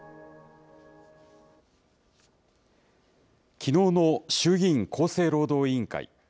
きのうの衆議院厚生労働委員会。